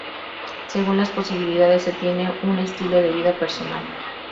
Según las posibilidades, se tiene un estilo de vida personal.